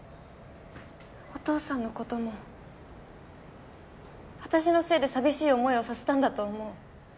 お父さんのことも私のせいで寂しい思いをさせたんだと思う。